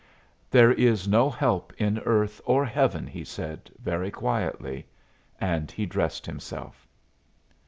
"There is no help in earth or heaven," he said, very quietly; and he dressed himself.